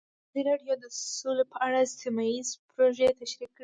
ازادي راډیو د سوله په اړه سیمه ییزې پروژې تشریح کړې.